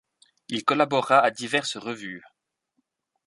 Il collabora à diverses revues.